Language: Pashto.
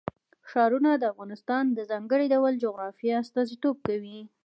ښارونه د افغانستان د ځانګړي ډول جغرافیه استازیتوب کوي.